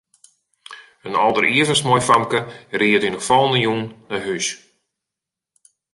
In alderivichst moai famke ried yn 'e fallende jûn nei hús.